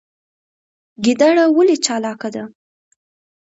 ګیدړه ولې چالاکه ده؟